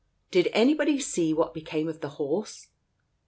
Did anybody see what became of the horse